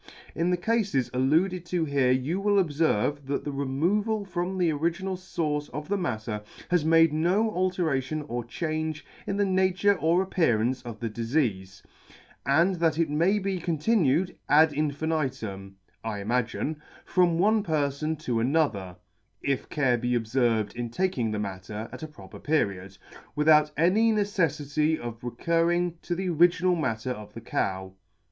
In the Cafes alluded to here you will obferve, that the removal from the original fource of the matter has made no alteration or change in the nature or appearance of the difeafe, and that it may be continued, ad infinitum , (I imagine,) from one perfon to another, (if care be obferved in taking the matter at a proper period,) without any neceffity of recurring to the original matter of the cow.